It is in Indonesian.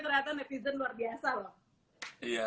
ternyata netizen luar biasa loh